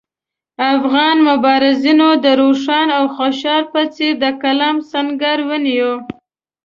افغان مبارزینو د روښان او خوشحال په څېر د قلم سنګر ونیو.